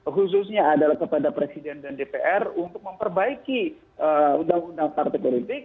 khususnya adalah kepada presiden dan dpr untuk memperbaiki undang undang partai politik